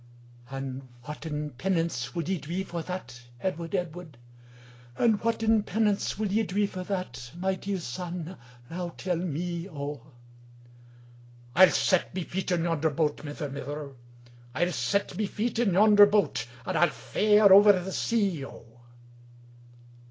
"And whatten penance wul ye drie for that, Edward, Edward, And whatten penance will ye drie for that? My deir son, now tell me O.""Ile set my feit in yonder boat, Mither, mither, Ile set my feit in yonder boat, And Ile fare ovir the sea O."